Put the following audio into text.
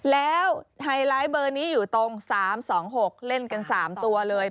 แล้วไฮไลท์เบอร์นี้อยู่ตรง๓๒๖เล่นกัน๓ตัวเลย